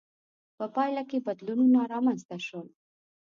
په پایله کې بدلونونه رامنځته شول.